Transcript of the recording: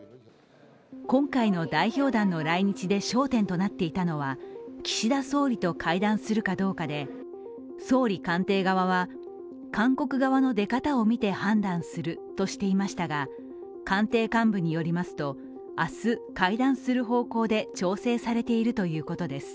今回の代表団の来日で焦点となっていたのは岸田総理と会談するかどうかで総理官邸側は韓国の出方を見て判断するとしていましたが官邸幹部によりますと、明日、会談する方向で調整されているということです。